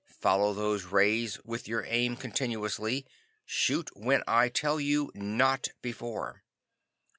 Follow those rays with your aim continuously. Shoot when I tell you, not before.